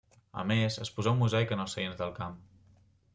A més, es posà un mosaic en els seients del camp.